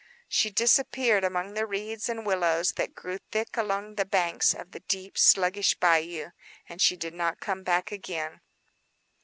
She disappeared among the reeds and willows that grew thick along the banks of the deep, sluggish bayou; and she did not come back again.